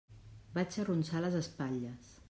Vaig arronsar les espatlles.